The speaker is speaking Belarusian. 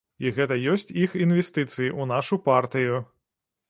І гэта ёсць іх інвестыцыі ў нашу партыю.